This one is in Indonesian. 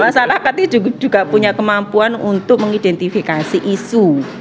masyarakat itu juga punya kemampuan untuk mengidentifikasi isu